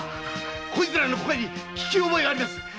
こいつらの声に聞き覚えがあります！